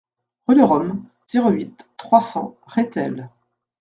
Rue de Rome, zéro huit, trois cents Rethel